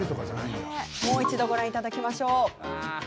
もう一度ご覧いただきましょう。